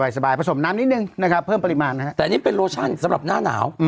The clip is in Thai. สบายผสมน้ำนิดนึงนะครับเพิ่มปริมาณนะฮะแต่อันนี้เป็นโลชั่นสำหรับหน้าหนาว